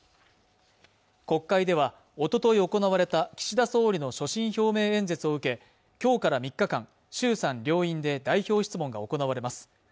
国会ではおととい行われた岸田総理の所信表明演説を受けきょうから３日間衆参両院で代表質問が行われます